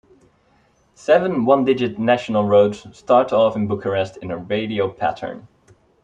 Seven one-digit national roads start off in Bucharest in a radial pattern.